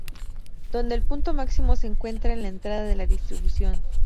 Donde el punto máximo se encuentra en la entrada de la distribución.